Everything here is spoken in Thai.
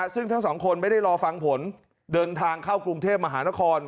ซึ่งทั้งสองคนไม่ได้รอฟังผลเดินทางเข้ากรุงเทพมหานคร